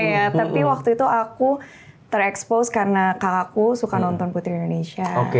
jadi waktu itu aku terekspos karena kakakku suka nonton putri indonesia